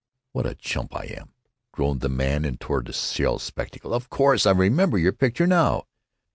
"What a chump I am!" groaned the man in tortoise shell spectacles. "Of course! I remember your picture, now."